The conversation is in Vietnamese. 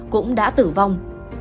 cũng đã tử vong